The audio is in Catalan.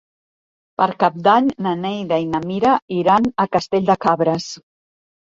Per Cap d'Any na Neida i na Mira iran a Castell de Cabres.